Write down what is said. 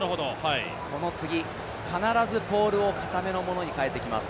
この次必ずポールをかためのものに変えてきます。